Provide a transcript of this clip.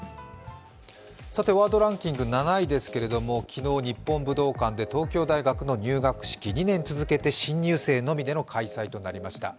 ワードランキング７位ですけども昨日、日本武道館で東京大学の入学式、２年続けて新入生のみの開催となりました。